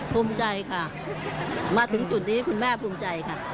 ภูมิใจค่ะมาถึงจุดนี้คุณแม่ภูมิใจค่ะ